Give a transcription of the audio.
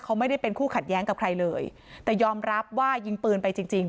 เขาไม่ได้เป็นคู่ขัดแย้งกับใครเลยแต่ยอมรับว่ายิงปืนไปจริงจริง